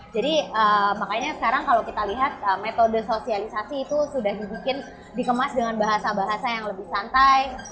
jadi makanya sekarang kalau kita lihat metode sosialisasi itu sudah dibikin dikemas dengan bahasa bahasa yang lebih santai